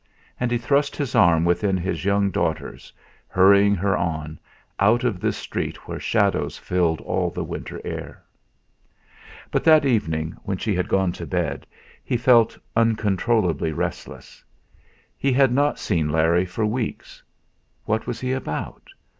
And he thrust his arm within his young daughter's, hurrying her on, out of this street where shadows filled all the winter air. But that evening when she had gone to bed he felt uncontrollably restless. He had not seen Larry for weeks. What was he about?